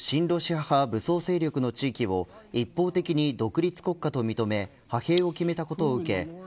ロシア派武装勢力の地域を一方的に独立国家と認め派兵を決めたことを受け